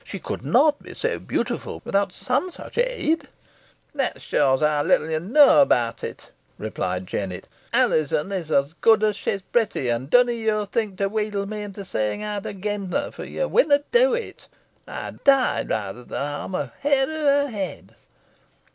She could not be so beautiful without some such aid." "That shows how little yo knoaw about it," replied Jennet. "Alizon is os good as she's protty, and dunna yo think to wheedle me into sayin' out agen her, fo' yo winna do it. Ey'd dee rayther than harm a hure o' her heaod."